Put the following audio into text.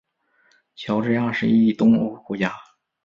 乔治亚是一东欧国家。